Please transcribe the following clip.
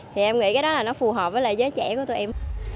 thì em nghĩ cái đó là nó phù hợp với lại giới trẻ của tụi em